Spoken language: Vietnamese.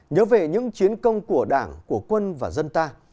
nhớ về những chiến công của đảng của quân và dân ta